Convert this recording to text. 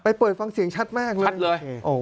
เปิดฟังเสียงชัดมากเลย